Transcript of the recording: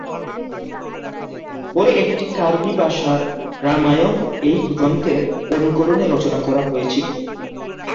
পরে একটি কার্বি ভাষার রামায়ণ এই গ্রন্থের অনুকরণে রচনা করা হয়েছিল।